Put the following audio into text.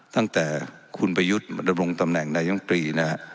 ตั้งแต่คุณประยุทธ์ดำรงตำแหน่งนายมตรีนะฮะ